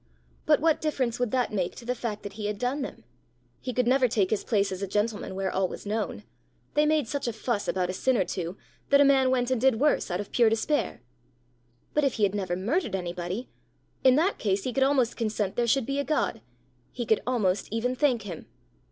But what difference would that make to the fact that he had done them? He could never take his place as a gentleman where all was known! They made such a fuss about a sin or two, that a man went and did worse out of pure despair! But if he had never murdered anybody! In that case he could almost consent there should be a God! he could almost even thank him!